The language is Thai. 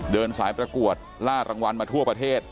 เดินสายประกวดล่ารางวัลมาทั่วประเทศ